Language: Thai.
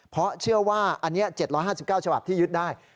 เพราะเชื่อว่าอันนี้๗๕๙ฉบับที่ยึดได้